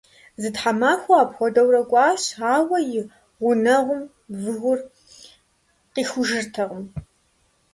Зы тхьэмахуэ апхуэдэурэ кӏуащ, ауэ и гъунэгъум выгур къихужыртэкъым.